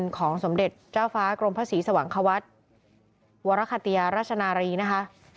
เป็นของสมเด็จเจ้าฟ้ากรมภาษีสวังควัฒน์วรคลิยราชนารีนะคะ